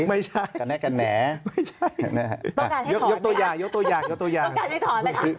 ไม่ใช่ไม่ใช่ต้องการให้ถอนต้องการให้ถอนต้องการให้ถอน